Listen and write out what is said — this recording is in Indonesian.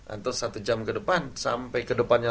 atau satu jam ke depan